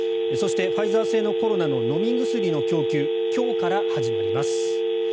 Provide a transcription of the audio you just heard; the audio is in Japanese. そして、ファイザー製のコロナの飲み薬の供給が今日から始まります。